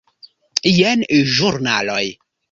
Jen ĵurnaloj.